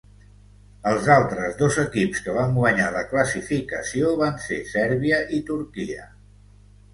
Els altres dos equips que van guanyar la classificació van ser Sèrbia i Turquia.